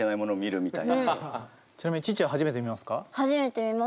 ちなみにチッチははじめて見ますか？